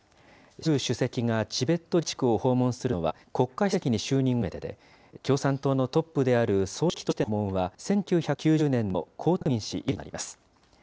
習主席がチベット自治区を訪問するのは、国家主席に就任後初めてで、共産党のトップである総書記としての１９９０年の江沢民氏以来となります。